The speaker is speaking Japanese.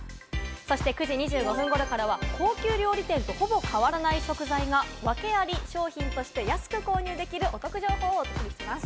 ９時２５分ごろからは高級料理店とほぼ変わらない食材が訳アリ商品として安く購入できるお得情報をお送りします。